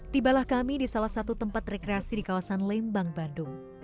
tibalah kami di salah satu tempat rekreasi di kawasan lembang bandung